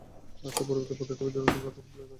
আচ্ছা, পরবর্তী পদক্ষেপের জন্য তোমার কোন প্ল্যান আছে?